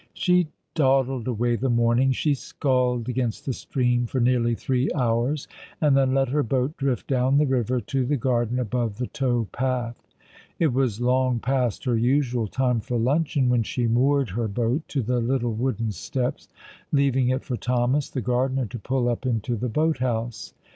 33 She dawdled away the morning ; she sculled against the stream for nearly three hours, and then let her boat drift down the river to the garden above the tow path. It was long past her usual time for luncheon when she moored her boat to the little wooden steps, leaving it for Thomas, the gardener, to pull up into the boat house.